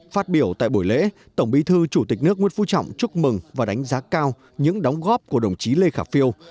phát biểu tại buổi lễ tổng bí thư chủ tịch nước nguyễn phú trọng chúc mừng và đánh giá cao những đóng góp của đồng chí lê khả phiêu